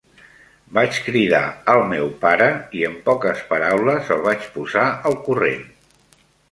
Vaig cridar al meu pare i, en poques paraules, el vaig posar al corrent.